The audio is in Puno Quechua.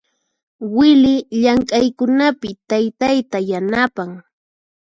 Wily llamk'aykunapi taytayta yanapan.